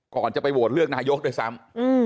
ก่อนจะไปโหวตเลือกนายกด้วยซ้ำ